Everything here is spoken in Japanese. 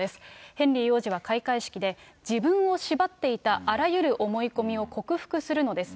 ヘンリー王子は開会式で、自分を縛っていたあらゆる思い込みを克服するのです。